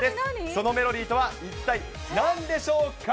そのメロディーとは一体なんでしょうか。